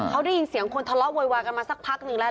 เขาได้ยินเสียงคนทะเลาะโวยวายกันมาสักพักหนึ่งแล้ว